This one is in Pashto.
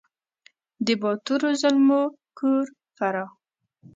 د باتورو زلمو کور فراه !